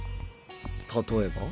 例えば？